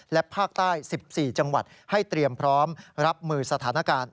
และภาคใต้๑๔จังหวัดให้เตรียมพร้อมรับมือสถานการณ์